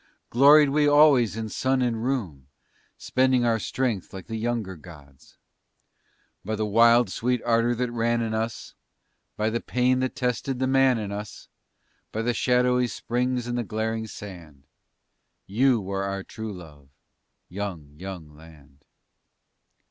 Gloried we always in sun and room, Spending our strength like the younger gods. By the wild sweet ardor that ran in us, By the pain that tested the man in us, By the shadowy springs and the glaring sand, You were our true love, young, young land.